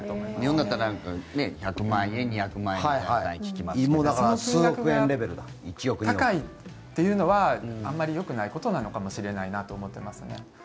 日本だったら１００万円、２００万円と高いというのはあまりよくないことなのかもしれないと思っていますね。